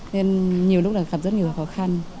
nên nhiều lúc là gặp rất nhiều khó khăn